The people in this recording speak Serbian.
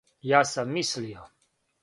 Ја сам мислио.